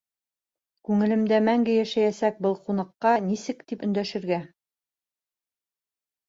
Күңелемдә мәңге йәшәйәсәк был ҡунаҡҡа нисек тип өндәшергә?